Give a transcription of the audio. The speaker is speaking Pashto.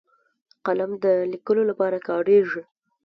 قلم د لیکلو لپاره کارېږي